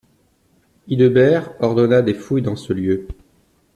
Hildebert ordonna des fouilles dans ce lieu.